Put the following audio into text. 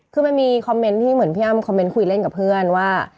คือมันมีคอมเมนต์ที่เหมือนพี่อ้ำคอมเมนต์คุยเล่นกับเพื่อนว่า